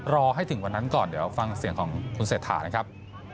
รอให้ถึงวันนั้นก่อนเดี๋ยวฟังเสียงของคุณเศรษฐานะครับ